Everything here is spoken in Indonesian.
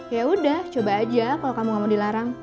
yaudah coba aja kalo kamu gak mau dilarang